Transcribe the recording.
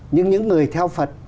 nhưng những người theo phật